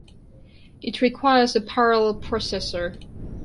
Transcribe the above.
It requires a parallel processor.